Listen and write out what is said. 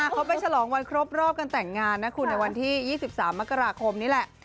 เขาไปฉลองวันครบรอบการแต่งงานนะคุณในวันที่๒๓มกราคมนี่แหละ